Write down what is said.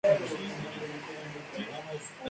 Fue así como en ese año inició la Escuela Boston.